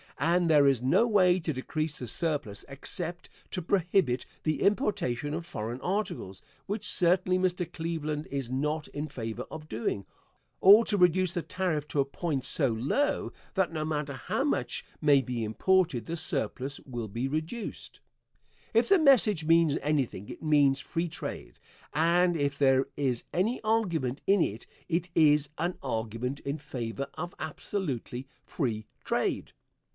And there is no way to decrease the surplus except to prohibit the importation of foreign articles, which certainly Mr. Cleveland is not in favor of doing, or to reduce the tariff to a point so low that no matter how much may be imported the surplus will be reduced. If the message means anything it means free trade, and if there is any argument in it it is an argument in favor of absolutely free trade.